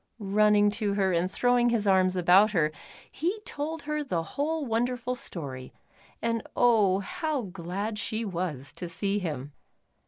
Running to her and throwing his arms about her, he told her the whole wonderful story, and oh, how glad she was to see him.